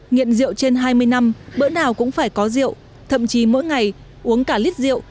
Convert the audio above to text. nghiện rượu trên hai mươi năm bữa nào cũng phải có rượu thậm chí mỗi ngày uống cả lít rượu